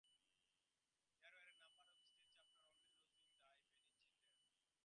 There were a number of state chapters, only loosely tied to the main organization.